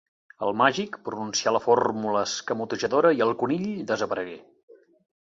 El màgic pronuncià la fórmula escamotejadora i el conill desaparegué.